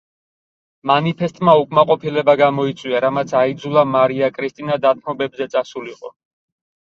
მანიფესტმა უკმაყოფილება გამოიწვია, რამაც აიძულა მარია კრისტინა დათმობებზე წასულიყო.